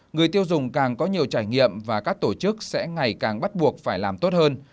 người tiêu dùng càng có nhiều trải nghiệm và các tổ chức sẽ ngày càng bắt buộc phải làm tốt hơn